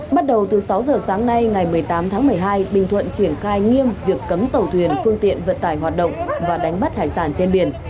bắt đầu từ sáu giờ sáng nay ngày một mươi tám tháng một mươi hai bình thuận triển khai nghiêm việc cấm tàu thuyền phương tiện vận tải hoạt động và đánh bắt hải sản trên biển